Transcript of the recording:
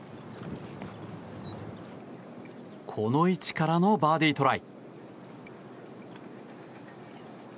この位置からのバーディートライ。